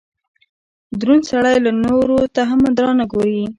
دروند سړئ نورو ته هم درانه ګوري